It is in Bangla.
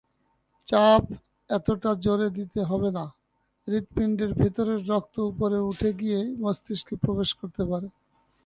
চাপ এতটা জোরে দিতে হবে যেন হৃৎপিণ্ডের ভেতরের রক্ত উপরে উঠে গিয়ে মস্তিষ্কে প্রবেশ করতে পারে।